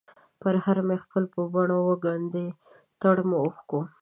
پرهر مې خپل په بڼووګنډی ، دتړمو اوښکو،